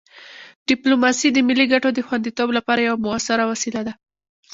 ډیپلوماسي د ملي ګټو د خوندیتوب لپاره یوه مؤثره وسیله ده.